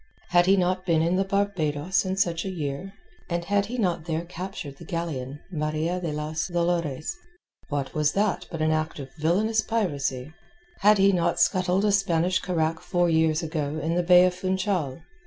Had he not been in the Barbados in such a year, and had he not there captured the galleon Maria de las Dolores? What was that but an act of villainous piracy? Had he not scuttled a Spanish carack four years ago in the bay of Funchal?